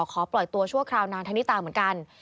ขอปล่อยตัวชั่วคราวนางธนิตาเหมือนกัน